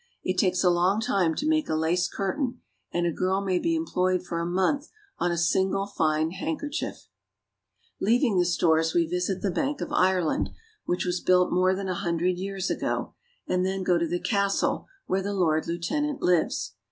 It takes a long time to make a lace curtain, and a girl may be employed for a month on a single fine handkerchief. Leaving the stores, we visit the Bank of Ireland, which was built more than a hundred years ago, and then go to we visit the Bank of Ireland." the castle where the Lord Lieutenant lives.